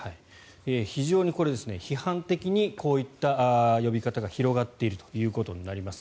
非常にこれ、批判的にこういった呼び方が広がっているということになります。